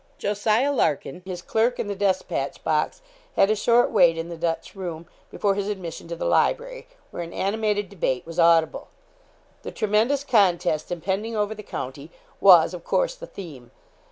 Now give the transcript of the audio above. Jos. Larkin, his clerk, and the despatch box, had a short wait in the Dutch room, before his admission to the library, where an animated debate was audible. The tremendous contest impending over the county was, of course, the theme.